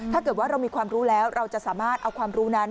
ถ้าเกิดว่าเรามีความรู้แล้วเราจะสามารถเอาความรู้นั้น